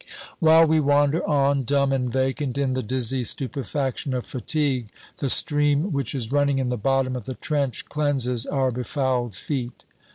While we wander on, dumb and vacant, in the dizzy stupefaction of fatigue, the stream which is running in the bottom of the trench cleanses our befouled feet.